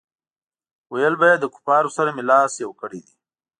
ویل به یې له کفارو سره مې لاس یو کړی دی.